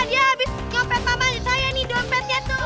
dia abis ngepet sama saya nih dompetnya tuh